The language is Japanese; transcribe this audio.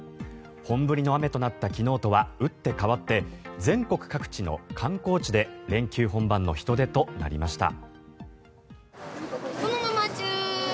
本降りの雨となった昨日とは打って変わって全国各地の観光地で連休本番の人出となりました。